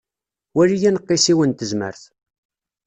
Wali aneqqis-iw n tezmert.